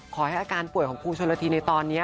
ขอให้อาการป่วยของครูชนละทีในตอนนี้